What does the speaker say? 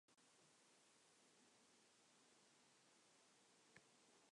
Stock was born in Malta, the son of an Army captain.